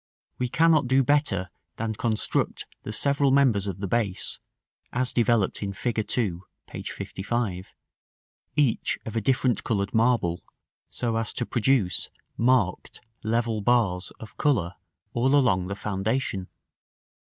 We cannot do better than construct the several members of the base, as developed in Fig. II., p. 55, each of a different colored marble, so as to produce marked level bars of color all along the foundation.